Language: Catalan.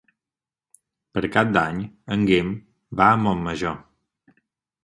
Per Cap d'Any en Guim va a Montmajor.